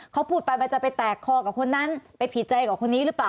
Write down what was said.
เขาพูดไปมันจะไปแตกคอกับคนนั้นไปผิดใจกับคนนี้หรือเปล่า